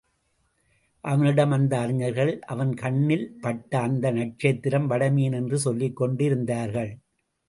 அவனிடம் அந்த அறிஞர்கள் அவன் கண்ணில்பட்ட அந்த நட்சத்திரம் வடமீன் என்று சொல்லிக்கொண்டிருந்தார்கள்.